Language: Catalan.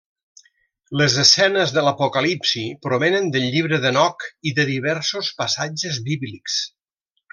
Les escenes de l'apocalipsi provenen del Llibre d'Henoc i de diversos passatges bíblics.